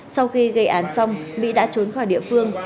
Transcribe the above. sau khi gây án xong mỹ đã trốn khỏi địa phương